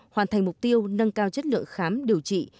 hoàn thành mục tiêu nâng cao chất lượng khám điều trị